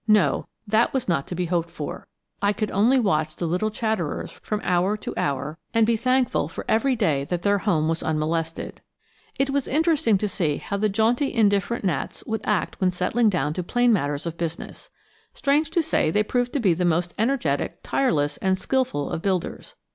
No, that was not to be hoped for. I could only watch the little chatterers from hour to hour and be thankful for every day that their home was unmolested. It was interesting to see how the jaunty indifferent gnats would act when settling down to plain matters of business. Strange to say, they proved to be the most energetic, tireless, and skillful of builders.